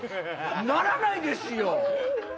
ならないですよ！